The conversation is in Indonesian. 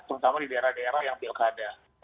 terutama di daerah daerah yang bialkan ada